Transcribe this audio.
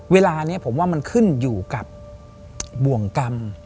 เวลานี้ผมว่ามันขึ้นอยู่กับบ่วงกรรม